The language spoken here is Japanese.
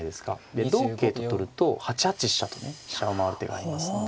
で同桂と取ると８八飛車とね飛車を回る手がありますので。